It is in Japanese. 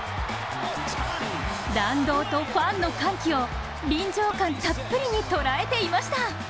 弾道と、ファンの歓喜を臨場感たっぷりに捉えていました。